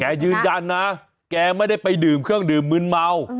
ยืนยันนะแกไม่ได้ไปดื่มเครื่องดื่มมืนเมา